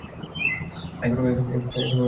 এখনো বিশ্বাস করো?